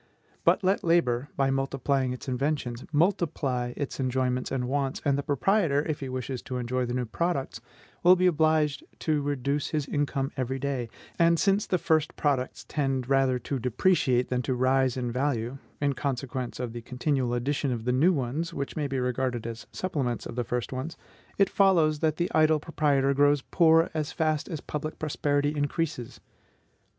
But let labor, by multiplying its inventions, multiply its enjoyments and wants, and the proprietor, if he wishes to enjoy the new products, will be obliged to reduce his income every day; and since the first products tend rather to depreciate than to rise in value, in consequence of the continual addition of the new ones, which may be regarded as supplements of the first ones, it follows that the idle proprietor grows poor as fast as public prosperity increases.